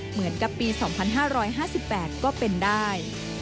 เหมือนกับปี๒๕๕๘ก็เป็นได้